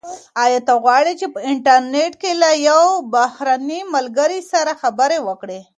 ایا ته غواړې چي په انټرنیټ کي له یو بهرني ملګري سره خبرې وکړې؟